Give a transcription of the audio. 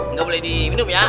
nggak boleh diminum ya